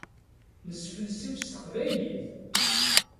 Nesfelsif s teqbaylit.